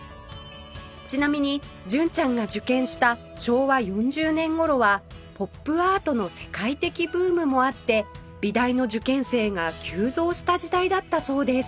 ちなみに純ちゃんが受験した昭和４０年頃はポップアートの世界的ブームもあって美大の受験生が急増した時代だったそうです